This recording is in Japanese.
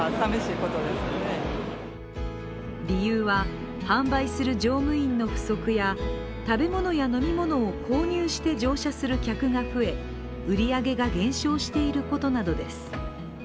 理由は、販売する乗務員の不足や食べ物や飲み物を購入して乗車する客が増え売り上げが減少していることなどです。